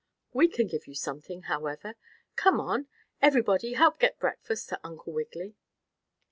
"We can give you something, however. Come on! everybody, help get breakfast for Uncle Wiggily."